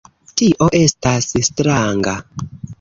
Tio estas stranga.